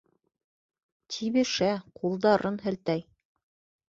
Тибешә, ҡулдарын һелтәй.